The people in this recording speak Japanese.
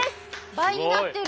倍になってる！